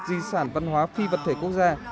di sản văn hóa phi vật thể quốc gia